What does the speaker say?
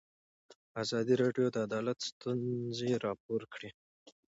ازادي راډیو د عدالت ستونزې راپور کړي.